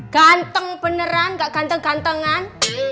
ganteng beneran gak ganteng gantengan